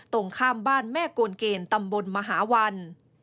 ตรงข้ามบ้านแม่โกนเกณฑ์ตำบลมหาวัน